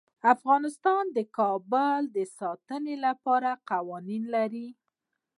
افغانستان د کابل د ساتنې لپاره قوانین لري.